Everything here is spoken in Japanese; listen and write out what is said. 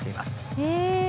へえ。